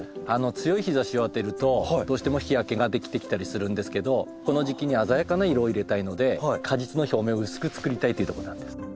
強い日ざしを当てるとどうしても日焼けが出来てきたりするんですけどこの時期に鮮やかな色を入れたいので果実の表面を薄くつくりたいというとこなんです。